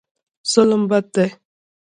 ظلم بد دی.